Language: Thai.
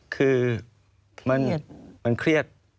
คือมันเครียด